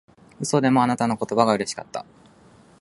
嘘でもあなたの言葉がうれしかった